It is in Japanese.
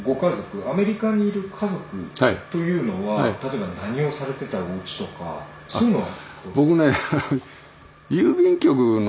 アメリカにいる家族というのは例えば何をされてたおうちとかそういうのは？